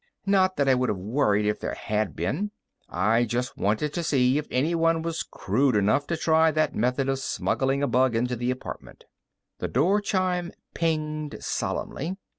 Not that I would have worried if there had been; I just wanted to see if anyone was crude enough to try that method of smuggling a bug into the apartment. The door chime pinged solemnly.